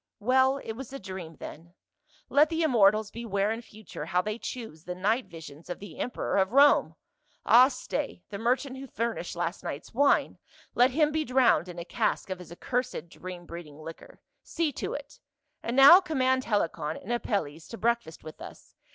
Well, it was a dream then. Let the immortals beware in future how they choose the night visions of the emperor of Rome. — Ah, stay, the merchant who furnished last night's wine, let him be drowned in a cask of his accursed dream breeding liquor. See to it. And now command Helicon and Apelles to breakfast with us.